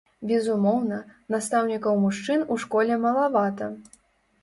Безумоўна, настаўнікаў-мужчын у школе малавата.